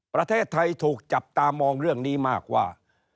ประเทศไทยถูกจับตามองเรื่องนี้มากว่า